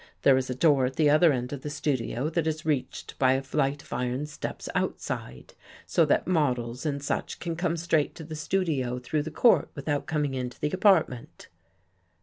There is a door at the other end of the studio that is reached by a flight of iron steps outside, so that models and such can come straight to the studio through the court without coming into the apartment."